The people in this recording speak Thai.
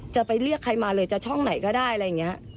จะไปเรียกใครมาเลยจะช่องไหนก็ได้อะไรอย่างนี้